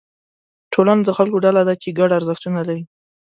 ټولنه د خلکو ډله ده چې ګډ ارزښتونه لري.